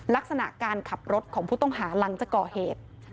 ลักษณะการขับรถของผู้ต้องหาหลังจากก่อเหตุ